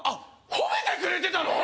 褒めてくれてたの？